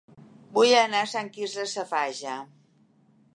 Vull anar a Sant Quirze Safaja